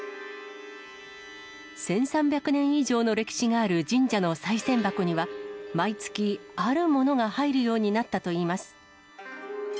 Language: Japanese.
１３００年以上の歴史がある神社のさい銭箱には、毎月、あるものが入るようになったといいます。